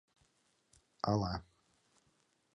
— Ала!